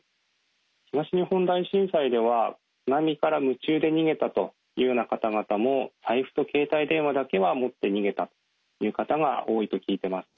東日本大震災では津波から夢中で逃げたというような方々も財布と携帯電話だけは持って逃げたという方が多いと聞いてます。